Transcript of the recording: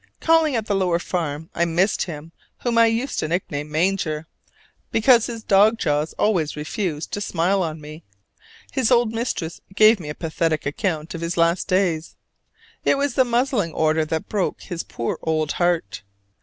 Calling at the lower farm, I missed him whom I used to nickname "Manger," because his dog jaws always refused to smile on me. His old mistress gave me a pathetic account of his last days. It was the muzzling order that broke his poor old heart.